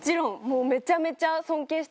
もうめちゃめちゃ尊敬してます。